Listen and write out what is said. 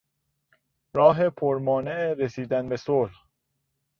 راه پر مانع رسیدن به صلح